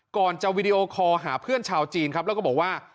ก่อนจะวีดีโอคอลหาเพื่อนชาวจีนครับแล้วก็บอกว่า